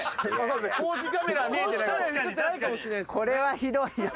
これはひどいな。